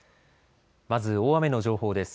まず大雨の情報です。